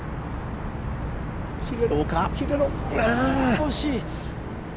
惜しい！